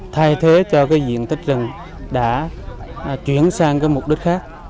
thay thế cho diện tích rừng đã chuyển sang mục đích khác